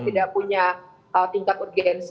tidak punya tingkat urgensi